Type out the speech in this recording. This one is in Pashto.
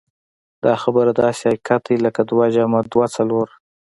دا خبره داسې حقيقت دی لکه دوه جمع دوه څلور.